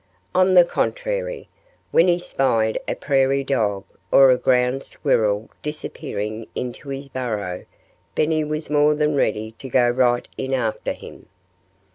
On the contrary, when he spied a prairie dog or a ground squirrel disappearing into his burrow Benny was more than ready to go right in after him.